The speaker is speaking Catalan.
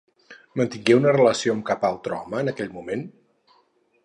Mantingué una relació amb cap altre home en aquell moment?